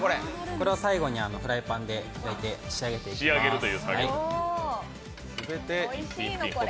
これを最後にフライパンで焼いて仕上げていきます。